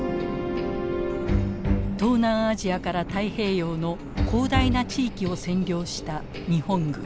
東南アジアから太平洋の広大な地域を占領した日本軍。